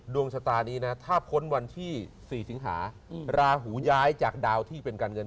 ดวงชะตานี้นะถ้าพ้นวันที่๔สิงหาราหูย้ายจากดาวที่เป็นการเงิน